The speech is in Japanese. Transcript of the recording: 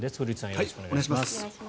よろしくお願いします。